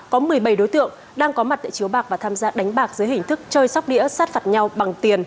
có một mươi bảy đối tượng đang có mặt tại chiếu bạc và tham gia đánh bạc dưới hình thức chơi sóc đĩa sát phạt nhau bằng tiền